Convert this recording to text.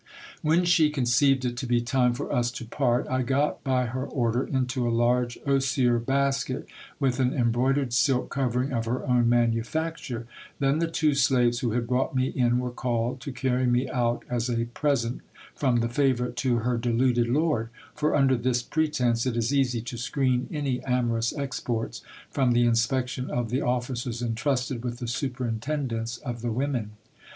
When she conceived it to be time for us to part, I got by her order into a large osier basket, with an embroidered silk covering of her own manufacture ; then the two slaves who had brought me in were called, to carry me out as a present from the favourite to her deluded lord ; for under this pretence it is easy to screen any amorous exports from the inspection of the officers entrusted with the superintendence of the women.